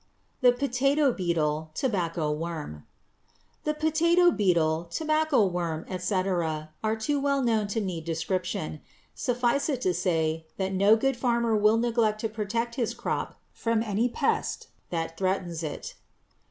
=The Potato Beetle; Tobacco Worm.= The potato beetle, tobacco worm, etc., are too well known to need description. Suffice it to say that no good farmer will neglect to protect his crop from any pest that threatens it.